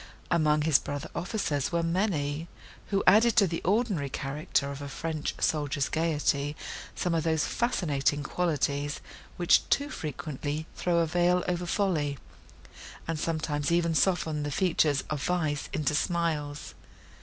Among his brother officers were many, who added to the ordinary character of a French soldier's gaiety some of those fascinating qualities, which too frequently throw a veil over folly, and sometimes even soften the features of vice into smiles.